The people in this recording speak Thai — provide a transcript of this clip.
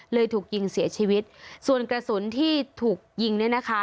ถูกยิงเสียชีวิตส่วนกระสุนที่ถูกยิงเนี่ยนะคะ